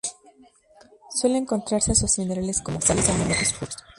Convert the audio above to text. Suele encontrarse asociado a otros minerales como: sales de amoniaco y sulfuros.